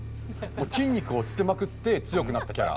筋肉をつけまくって強くなったキャラ。